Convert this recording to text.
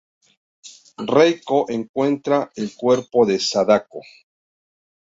Reiko encuentra el cuerpo de Sadako.